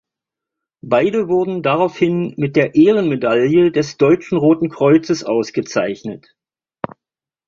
Beide wurden daraufhin mit der Ehrenmedaille des Deutschen Roten Kreuzes ausgezeichnet.